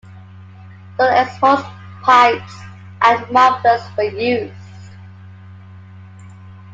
Dual exhaust pipes and mufflers were used.